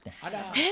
えっ！